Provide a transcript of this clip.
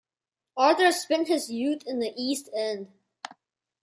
Arthur spent his youth in the East End.